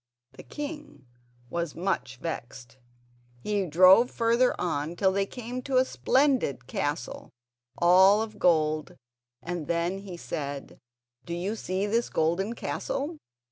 The king was much vexed; he drove further on till they came to a splendid castle, all of gold, and then he said: "Do you see this golden castle?